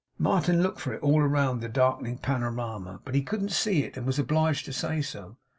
Martin looked for it all round the darkening panorama; but he couldn't see it, and was obliged to say so.